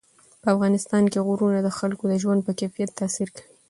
په افغانستان کې غرونه د خلکو د ژوند په کیفیت تاثیر کوي.